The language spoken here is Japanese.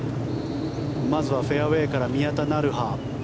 まずはフェアウェーから宮田成華。